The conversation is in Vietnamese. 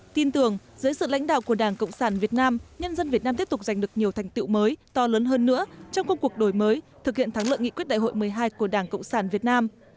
tin tưởng dưới sự lãnh đạo của đảng cộng sản việt nam nhân dân việt nam tiếp tục giành được nhiều thành tiệu mới to lớn hơn nữa trong công cuộc đổi mới thực hiện thắng lợi nghị quyết đại hội một mươi hai của đảng cộng sản việt nam